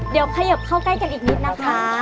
เดี๋ยวขยิบเข้าใกล้กันอีกนิดนะคะ